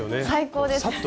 最高です。